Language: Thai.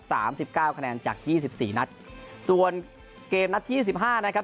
สามสิบเก้าคะแนนจากยี่สิบสี่นัดส่วนเกมนัดที่สิบห้านะครับ